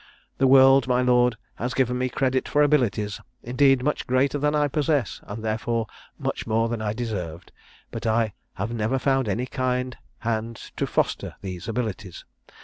The world, my lord, has given me credit for abilities, indeed, much greater than I possess, and therefore much more than I deserved; but I have never found any kind hand to foster these abilities.